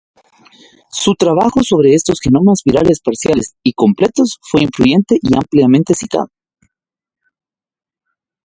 Su trabajo sobre estos genomas virales parciales y completos fue influyente y ampliamente citado.